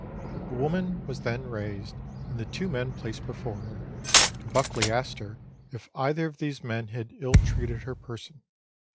The woman was then raised, and the two men placed before her, and Buckley asked her if either of those men had ill treated her person.